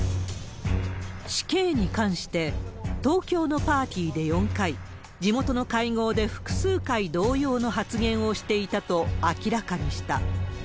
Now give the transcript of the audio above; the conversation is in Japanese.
死刑に関して、東京のパーティーで４回、地元の会合で複数回、同様の発言をしていたと明らかにした。